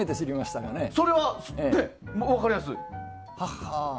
これは分かりやすい。